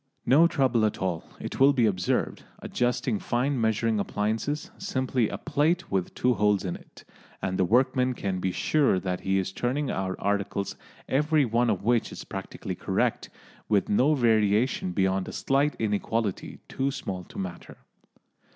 No trouble at all, it will be observed, adjusting fine measuring appliances, simply a plate with two holes in it, and the workman can be sure that he is turning out articles every one of which is practically correct, with no variation beyond a slight inequality too small to matter.